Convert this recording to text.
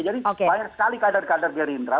jadi banyak sekali kader kader gerindra